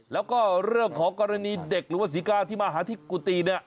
แล้วก็เรื่องของกรณีเด็กหรือว่าศรีกาที่มาหาที่กุฏิเนี่ย